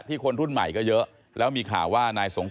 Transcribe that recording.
ที่คนรุ่นใหม่ก็เยอะ